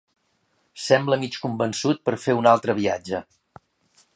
Sembla mig convençut per fer un altre viatge.